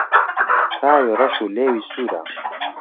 چاوی رەش و لێوی سوورە